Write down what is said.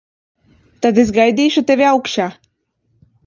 Tad es gaidīšu tevi augšā.